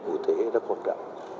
cụ thể rất quan trọng